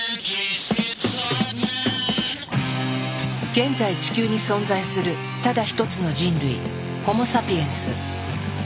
現在地球に存在するただ一つの人類ホモ・サピエンス。